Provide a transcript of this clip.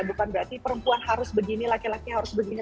bukan berarti perempuan harus begini laki laki harus begini